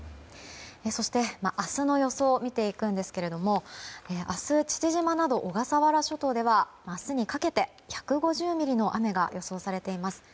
そして、明日の予想を見ていくんですけれども父島など小笠原諸島では明日にかけて１５０ミリの雨が予想されています。